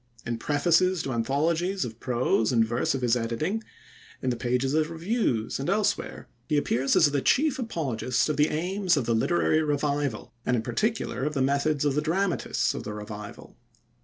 In prefaces to anthologies of prose and verse of his editing, in the pages of reviews, and elsewhere, he appears as the chief apologist of the aims of the Literary Revival, and in particular of the methods of the dramatists of the Revival.